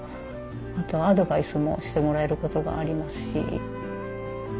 あとアドバイスもしてもらえることがありますし。